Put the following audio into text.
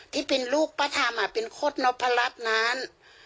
ที่เป็นลูกประธรรมอ่ะเป็นโค้ดนพลักษณ์นั้น